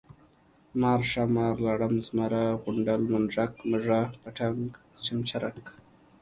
مار، ښامار ، لړم، زمزه، غونډل، منږک ، مږه، پتنګ ، چمچرک،